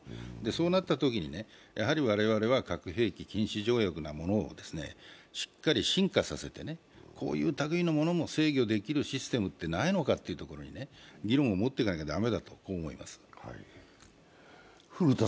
そうなったときに我々は核兵器禁止条約をしっかり進化させて、こういう類いのものも制御できるシステムってないのかという議論を持っていかなきゃだめだと思います。